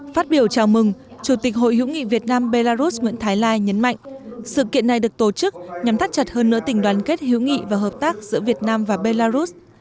phát biểu chào mừng chủ tịch hội hữu nghị việt nam belarus nguyễn thái lai nhấn mạnh sự kiện này được tổ chức nhằm thắt chặt hơn nữa tình đoàn kết hữu nghị và hợp tác giữa việt nam và belarus